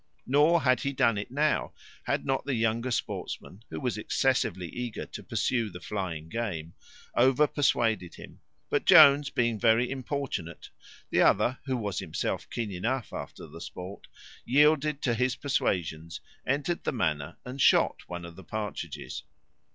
Nor had he done it now, had not the younger sportsman, who was excessively eager to pursue the flying game, over persuaded him; but Jones being very importunate, the other, who was himself keen enough after the sport, yielded to his persuasions, entered the manor, and shot one of the partridges.